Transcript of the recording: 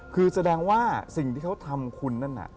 คือแสดงว่าสิ่งที่เขาทำคุณนั่นน่ะ